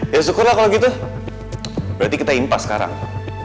ya syukurlah kalau gitu berarti kita impas sekarang